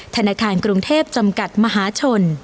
ธนาคารกรุงเทพจำกัดมหาชน